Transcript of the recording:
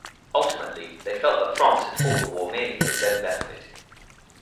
Ultimately they felt that France had fought the war merely for its own benefit.